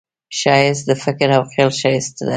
ښایست د فکر او خیال ښایست دی